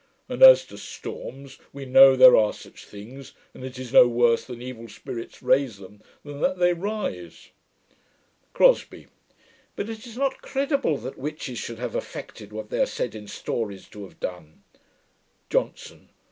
And as to storms, we know there are such things; and it is no worse that evil spirits raise them, than that they rise.' CROSBIE. 'But it is not credible, that witches should have effected what they are said in stories to have done.' JOHNSON.